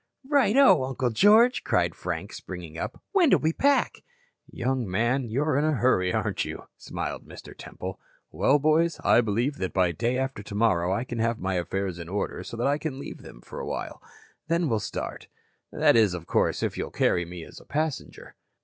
"Righto, Uncle George," cried Frank, springing up. "When do we pack?" "Young man, you're in a hurry, aren't you?" smiled Mr. Temple. "Well, boys, I believe that by day after tomorrow I can have my affairs in order so that I can leave them for awhile. Then we'll start. That is, of course, if you'll carry me as a passenger."